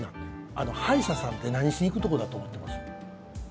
あと歯医者さんって何しに行くとこだと思ってます？